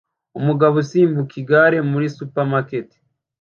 Umugabo usimbuka igare muri supermarket